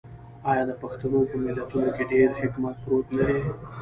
آیا د پښتنو په متلونو کې ډیر حکمت پروت نه دی؟